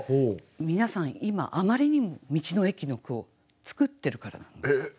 皆さん今あまりにも「道の駅」の句を作ってるからなんです。